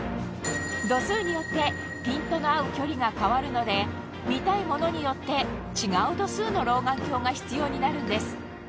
度数によってピントの合う距離が変わるので見たいものによって違う度数の老眼鏡が必要になるんです